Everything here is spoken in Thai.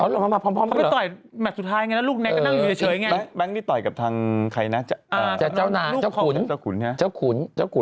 ลงมาพร้อมกันนั่นไงลูกเนกค่ะ